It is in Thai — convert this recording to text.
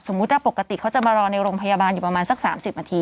ถ้าปกติเขาจะมารอในโรงพยาบาลอยู่ประมาณสัก๓๐นาที